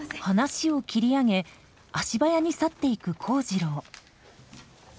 話を切り上げ足早に去っていく幸次郎。